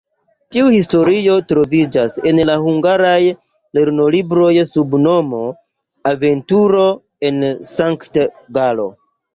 Tiu historio troviĝas en la hungaraj lernolibroj sub nomo "Aventuro en Sankt-Galo".